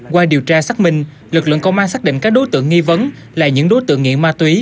qua điều tra xác minh lực lượng công an xác định các đối tượng nghi vấn là những đối tượng nghiện ma túy